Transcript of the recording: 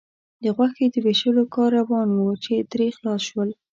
د غوښې د وېشلو کار روان و، چې ترې خلاص شول.